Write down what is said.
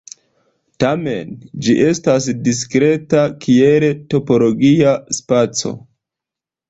Tamen, ĝi estas diskreta kiel topologia spaco.